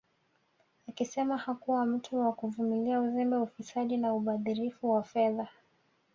Akisema hakuwa mtu wa kuvimilia uzembe ufisadi na ubadhirifu wa fedha